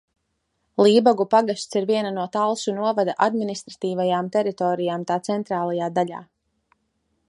Lībagu pagasts ir viena no Talsu novada administratīvajām teritorijām tā centrālajā daļā.